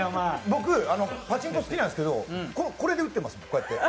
僕パチンコ好きなんですけどこれで打ってます。